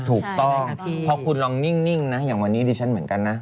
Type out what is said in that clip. ถูกต้องพอคุณลองนิ่งนะอย่างวันนี้ดิฉันเหมือนกันนะ